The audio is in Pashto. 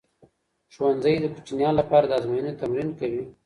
ښوونځی د کوچنیانو لپاره د ازمويني تمرین کوي.